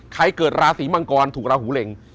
เกิดราศีมังกรถูกราหูเหล็ง